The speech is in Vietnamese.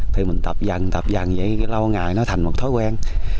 thì mình tập dần tập dần vậy lâu ngày nó thành một thói quen